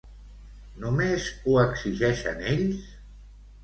Només ho exigeixen ells?